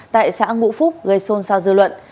tại xã ngũ phúc gây xôn xao dư luận